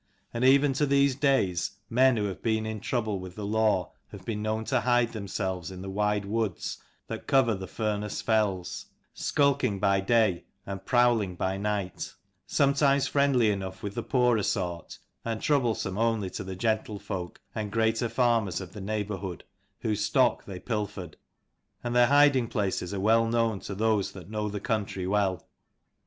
And even to these days, men who have been in trouble with the law have been known to hide themselves in the wide woods that cover the Furness fells, skulking by day and prowling by night ; some times friendly enough with the poorer sort, and troublesome only to the gentle folk and greater farmers of the neighbourhood, whose stock they pilfered : and their hiding places are well known to those that know the country well.